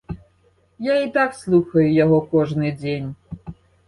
Я і так слухаю яго кожны дзень.